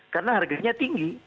karena harganya tinggi